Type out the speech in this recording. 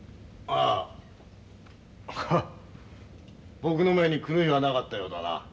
ああ僕の目に狂いはなかったようだな。